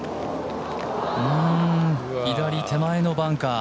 うーん、左手前のバンカー。